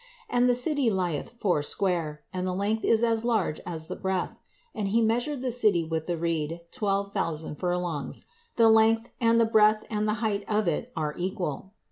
And the city lieth foursquare, and the length is as large as the breadth: and he measured the city with the reed, twelve thousand furlongs. The length and the breadth and the height of it are equal.